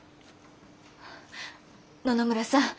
野々村さん